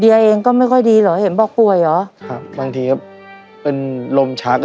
เองก็ไม่ค่อยดีเหรอเห็นบอกป่วยเหรอครับบางทีก็เป็นลมชักอ่ะ